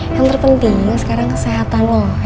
yang terpenting sekarang kesehatan loh